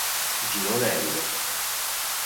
Girone L